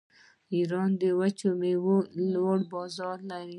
ایران د وچو میوو لوی بازار لري.